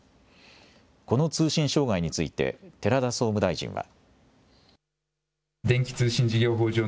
この通信障害について、寺田総務大臣は。